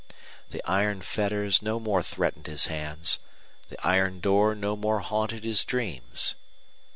The iron fetters no more threatened his hands; the iron door no more haunted his dreams.